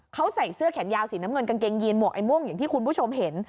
เขาใส่เสื้อแขนยาวสีน้ำเงินกางเกงยีนหวกไอ้ม่วงอย่างที่คุณผู้ชมเห็น